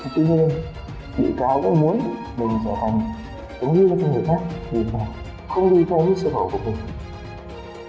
tuy nhiên vị cao cũng muốn mình trở thành đúng như các người khác vì mình không đi thay với sở hữu của mình